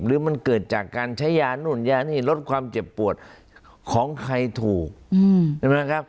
หรือมันเกิดจากการใช้ยานู่นยานี่ลดความเจ็บปวดของใครถูกใช่ไหมครับ